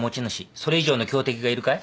それ以上の強敵がいるかい？